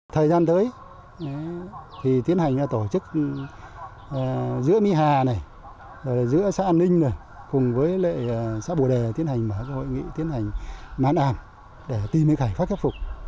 thời gian tới thì tiến hành tổ chức giữa mỹ hà này giữa xã ninh này cùng với xã bùa đề tiến hành mở hội nghị tiến hành mán ảm để tìm cái khải pháp khắc phục